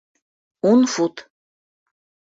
Ун фут.